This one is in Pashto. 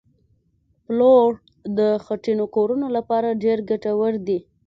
پلوړ د خټینو کورو لپاره ډېر ګټور دي